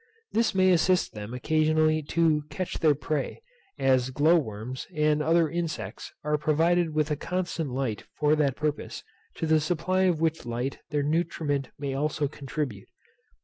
This may assist them occasionally to catch their prey; as glow worms, and other insects, are provided with a constant light for that purpose, to the supply of which light their nutriment may also contribute.